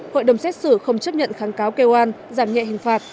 hội đồng xét xử không chấp nhận kháng cáo kêu oan giảm nhẹ hình phạt